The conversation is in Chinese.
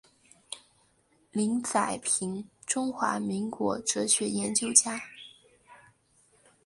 林宰平中华民国哲学研究家。